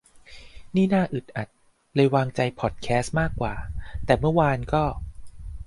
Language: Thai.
นี่น่าอึดอัด เลยวางใจพอดแคสต์มากกว่า แต่เมื่อวานก็